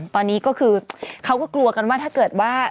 ตอนนี้ก็คือเขาก็กลัวกันว่าถ้าเกิดว่า